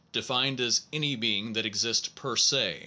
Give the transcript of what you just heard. Defined as any being that exists Monism p er se?